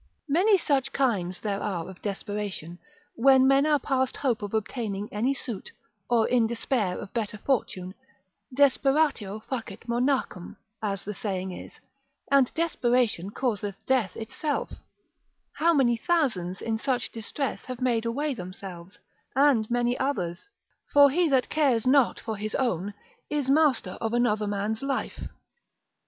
Many such kinds there are of desperation, when men are past hope of obtaining any suit, or in despair of better fortune; Desperatio facit monachum, as the saying is, and desperation causeth death itself; how many thousands in such distress have made away themselves, and many others? For he that cares not for his own, is master of another man's life.